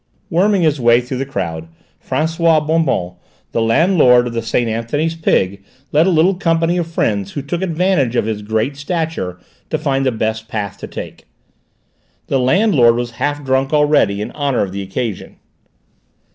Worming his way through the crowd, François Bonbonne, the landlord of the Saint Anthony's Pig, led a little company of friends who took advantage of his great stature to find the best path to take. The landlord was half drunk already in honour of the occasion.